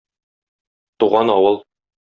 Туган авыл...